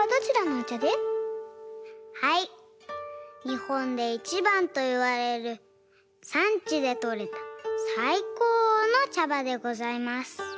にほんでいちばんといわれるさんちでとれたさいこうのちゃばでございます。